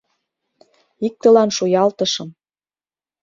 Иктылан шуялтышым...